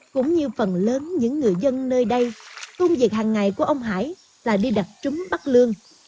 cũng như phần lớn những người dân nơi đây công việc hàng ngày của ông hải là đi đặc trúng bắt lương